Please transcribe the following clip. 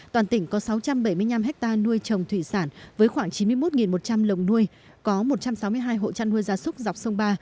toàn tỉnh có sáu trăm bảy mươi năm ha nuôi trồng thủy sản với khoảng chín mươi một một trăm linh lồng nuôi có một trăm sáu mươi hai hộ trăn nuôi gia súc dọc sông ba